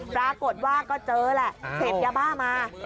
ปรากฏว่าก็เจอแหละเสพยาบ้ามา